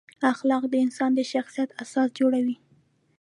اخلاق د انسان د شخصیت اساس جوړوي.